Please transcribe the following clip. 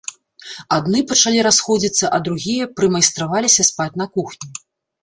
Адны пачалі расходзіцца, а другія прымайстраваліся спаць на кухні.